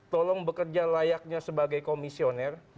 tolong bekerja layaknya sebagai komisioner